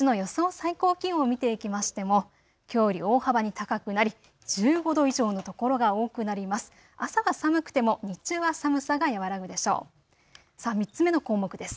最高気温を見ていきましても、きょうより大幅に高くなり１５度以上の所が多くなります。